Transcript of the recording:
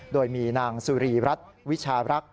โดยมีนางสุรีรัฐวิชารักษ์